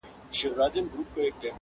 • کيسه د ټولني نقد دی ښکاره..